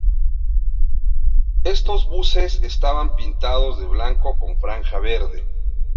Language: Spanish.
Estos buses estaban pintados de blanco con franja verde.